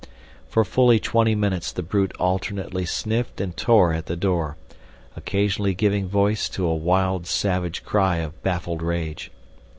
For fully twenty minutes the brute alternately sniffed and tore at the door, occasionally giving voice to a wild, savage cry of baffled rage.